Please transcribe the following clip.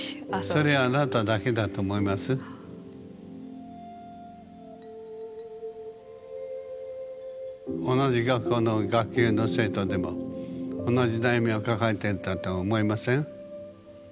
それ同じ学校の学級の生徒でも同じ悩みを抱えていたと思いません？